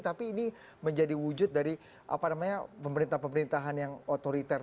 tapi ini menjadi wujud dari pemerintah pemerintahan yang otoriter